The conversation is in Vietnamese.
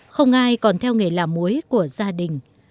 không ai còn theo nghề làm muối của gia đình